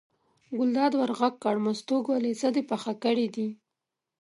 ګلداد ور غږ کړل: مستو ګلې څه دې پاخه کړي.